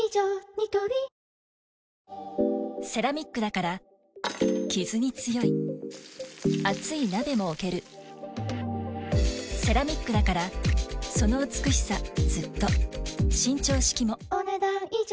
ニトリセラミックだからキズに強い熱い鍋も置けるセラミックだからその美しさずっと伸長式もお、ねだん以上。